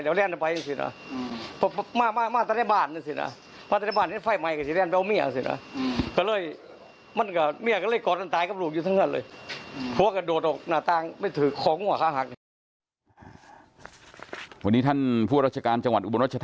วันนี้ท่านผู้ราชการจังหวัดอุบลรัชธา